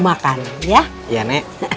tangan sudah aman